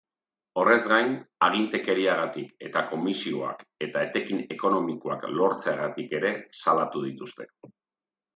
Horrez gain, agintekeriagatik eta komisioak eta etekin ekonomikoak lortzeagatik ere salatu dituzte.